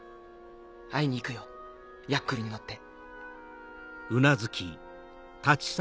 会いに行くよヤックルに乗って。